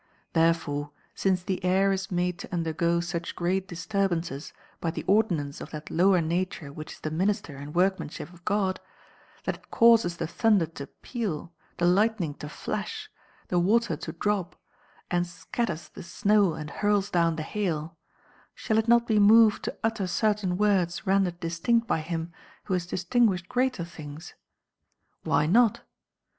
Therefore since the air is made to underj^o such great dis turbances by the ordinance of that lower nature which is the minister and workmanship of God, that it causes the thunder to peal, the lightning to Hash, the water to drop, and scatters the snow and hurls down the liail, shall it not be moved to utter certain words rendered distinct by him who has distinguislied greater things ? Why not